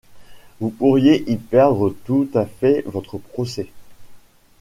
Vous pourriez y perdre tout à fait votre procès...